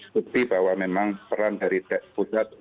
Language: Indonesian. bukti bahwa memang peran dari pusat